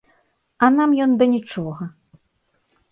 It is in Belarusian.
А нам ён да нічога.